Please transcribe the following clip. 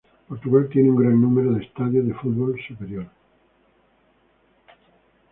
Portugal tiene un gran número de estadios de fútbol superior.